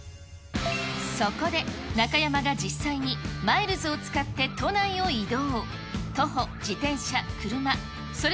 そこで、中山が実際にマイルズを使って都内を移動。